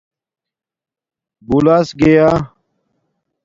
بولاس گیا